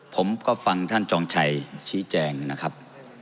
ผมก็ฟังท่านจองชัยชี้แจงนะครับ